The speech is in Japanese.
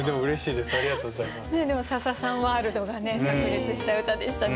でも笹さんワールドがさく裂した歌でしたね。